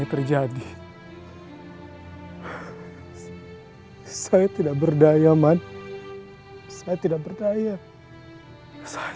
aku jadi musuhnya